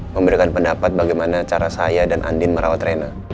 memberikan pendapat bagaimana cara saya dan andin merawat rena